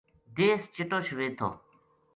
دیس چٹو شوید تھو